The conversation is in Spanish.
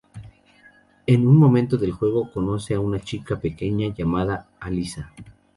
En un momento del juego conoce a una chica pequeña llamada Alyssa.